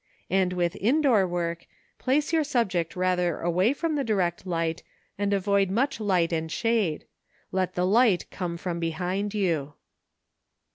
And with indoor work, place your subject rather away from the direct light and avoid much light and shade; let the light come from behind you.